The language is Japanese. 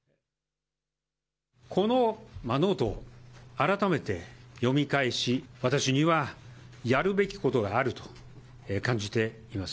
このノートを改めて読み返し、私にはやるべきことがあると感じています。